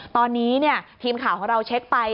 ตอนนี้ทีมข่าวของเราเช็คไป